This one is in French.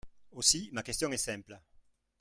Aussi, ma question est simple.